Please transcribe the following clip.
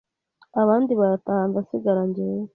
abandi Barataha ndasigara njyewe